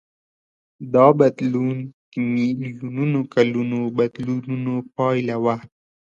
دا بدلون د میلیونونو کلونو بدلونونو پایله وه.